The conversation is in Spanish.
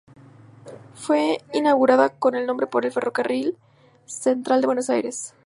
Fue inaugurada con el nombre por el Ferrocarril Central de Buenos Aires.